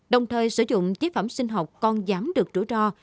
đồng thời sử dụng chế phẩm sinh học còn giảm được rủi ro